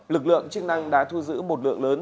lực lượng chức năng đã thu giữ một lượng lớn